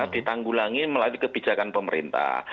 ditanggulangi melalui kebijakan pemerintah